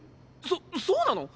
そそうなの！？